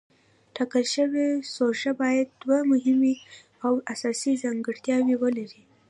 ټاکل شوې سوژه باید دوه مهمې او اساسي ځانګړتیاوې ولري.